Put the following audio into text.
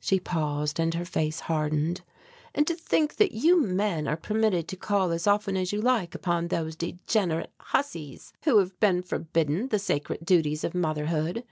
She paused and her face hardened. "And to think that you men are permitted to call as often as you like upon those degenerate hussies who have been forbidden the sacred duties of motherhood.